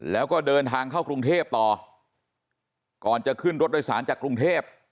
แล้วก็เดินทางเข้ากรุงเทพต่อก่อนจะขึ้นรถโดยสารจากกรุงเทพ